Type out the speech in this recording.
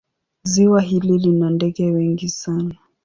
Ziwa hili lina ndege wengi sana.